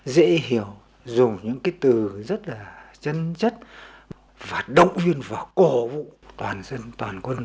dễ hiểu dùng những cái từ rất là chân chất và động viên và cổ vũ toàn dân toàn quân